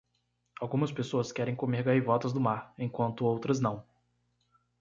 Algumas pessoas querem comer gaivotas do mar, enquanto outras não.